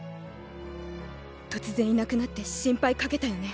突然いなくなって心配かけたよね。